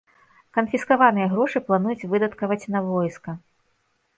Канфіскаваныя грошы плануюць выдаткаваць на войска.